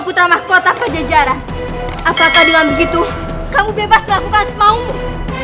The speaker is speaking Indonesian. putra mahkota kejejaran apakah dengan begitu kamu bebas melakukan semua umum